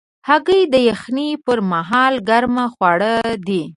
هګۍ د یخنۍ پر مهال ګرم خواړه دي.